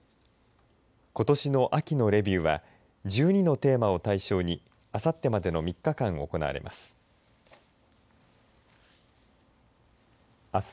ことしの秋のレビューは１２のテーマを対象にあさってまでの３日間行われます。